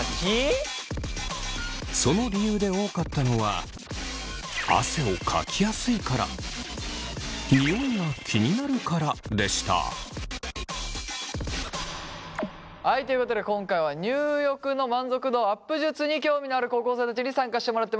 その理由で多かったのははいということで今回は入浴の満足度アップ術に興味のある高校生たちに参加してもらってます。